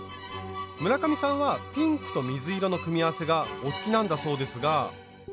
村上さんはピンクと水色の組み合わせがお好きなんだそうですが。